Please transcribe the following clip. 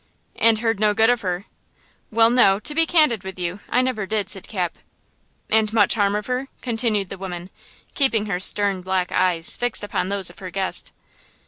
"And heard no good of her!" "Well, no–to be candid with you, I never did," said Cap. "And much harm of her?" continued the woman, keeping her stern black eyes fixed upon those of her guest.